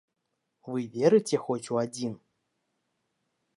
Вы верыце хоць у адзін?